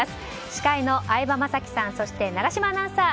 司会の相葉雅紀さんそして永島アナウンサー。